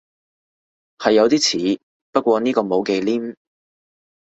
係有啲似，不過呢個冇忌廉